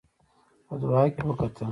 په دوحه کې وکتل.